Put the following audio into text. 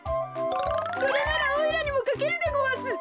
それならおいらにもかけるでごわす。